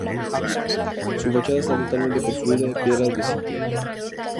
Su fachada está totalmente construida en piedra de sillería.